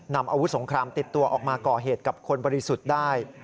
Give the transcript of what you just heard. นำอาวุธสงครามติดตัวออกมาก่อเหตุกับคนบริสุทธิ์ได้